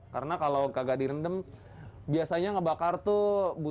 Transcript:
karena kalau kagak direndam biasanya ngebakar tuh butuh waktu sekitar dua jam tiga jam